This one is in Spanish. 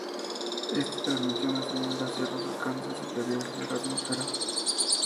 Este transmitió una señal hacia los alcances superiores de la atmósfera.